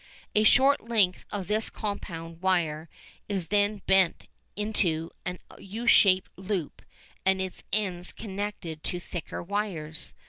A short length of this compound wire is then bent into a U shaped loop and its ends connected to thicker wires.